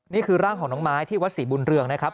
นี่คือร่างของน้องไม้ที่วัดศรีบุญเรืองนะครับ